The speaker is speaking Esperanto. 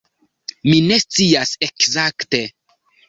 Mi ne scias ekzakte.